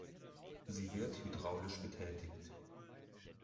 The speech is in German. Sie wird hydraulisch betätigt.